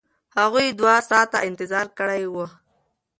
هغوی دوه ساعته انتظار کړی و.